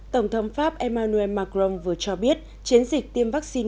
tổng thống pháp emmanuel macron vừa cho biết chiến dịch tiêm vaccine